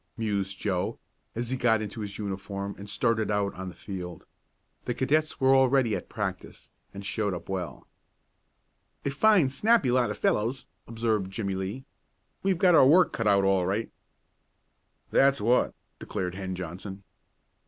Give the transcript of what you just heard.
mused Joe, as he got into his uniform and started out on the field. The cadets were already at practice, and showed up well. "A fine, snappy lot of fellows," observed Jimmie Lee. "We've got our work cut out all right." "That's what," declared Hen Johnson.